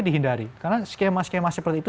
dihindari karena skema skema seperti itu